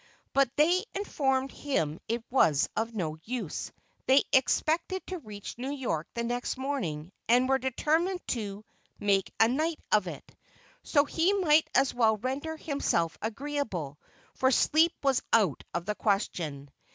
But they informed him it was of no use, they expected to reach New York the next morning, and were determined to "make a night of it," so he might as well render himself agreeable, for sleep was out of the question.